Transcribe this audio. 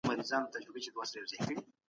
له کورنۍ سره وخت تېر کړه